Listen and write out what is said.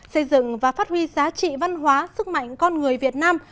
xây dựng và phát huy giá trị văn hóa sức mạnh con người việt nam